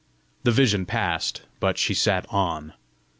The vision passed, but she sat on.